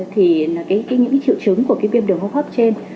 thì những triệu chứng của cái viêm đường hô hấp trên